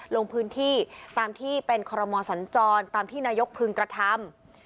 ลงพื้นที่ตามที่เป็นคอรมอสัญจรตามที่นายกพึงกระทำ